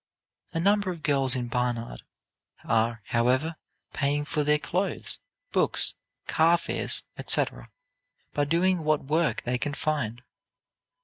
A number of girls in Barnard are, however, paying for their clothes, books, car fares, etc., by doing what work they can find.